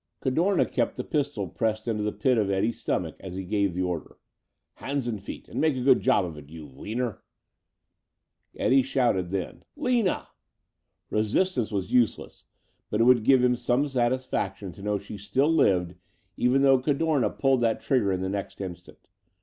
Cadorna kept the pistol pressed into the pit of Eddie's stomach as he gave the order. "Hands and feet and make it a good job, you wiener." Eddie shouted then. "Lina!" Resistance was useless, but it would give him some satisfaction to know she still lived even though Cadorna pulled that trigger in the next instant.